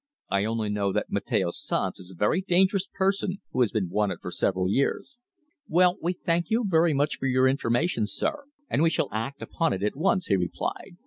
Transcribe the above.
"I only know that Mateo Sanz is a very dangerous person, who has been wanted for several years." "Well, we thank you very much for your information, sir, and we shall act upon it at once," he replied.